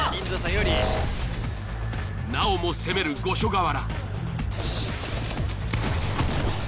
なおも攻める五所川原。